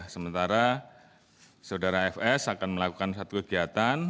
sementara saudara fs akan melakukan satu kegiatan